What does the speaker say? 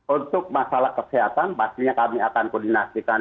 untuk masalah kesehatan pastinya kami akan koordinasikan